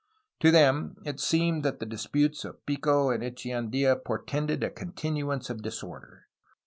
To them it seemed that the disputes of Pico and Eche andfa portended a continuance of disorder.